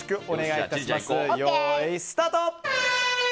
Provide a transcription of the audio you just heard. よーい、スタート！